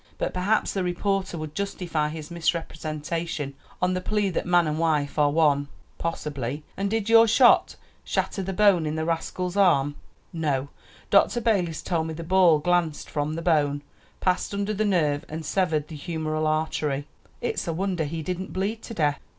"But perhaps the reporter would justify his misrepresentation on the plea that man and wife are one." "Possibly. And did your shot shatter the bone in the rascal's arm?" "No; Dr. Balis told me the ball glanced from the bone, passed under the nerve and severed the humeral artery." "It's a wonder he didn't bleed to death."